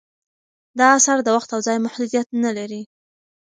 دا اثر د وخت او ځای محدودیت نه لري.